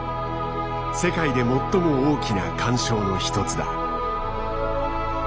世界で最も大きな環礁の一つだ。